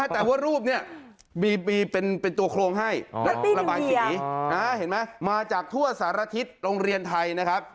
แต่ว่ารูปนี้มีเป็นตัวโครงให้และระบายสีเห็นไหมมาจากทั่วสารทิศโรงเรียนไทยนะครับ